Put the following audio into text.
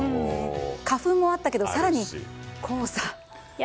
花粉もあったけど更に黄砂。